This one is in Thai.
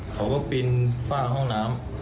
เขาก็ปีนฝ้าห้องน้ำ